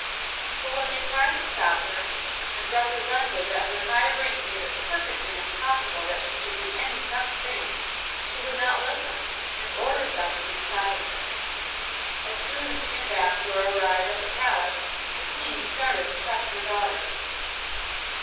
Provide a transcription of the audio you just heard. But when they tried to stop her, and represented that her high rank made it perfectly impossible that she should do any such thing, she would not listen, and ordered them to be silent. As soon as the ambassador arrived at the palace, the Queen started to fetch her daughter.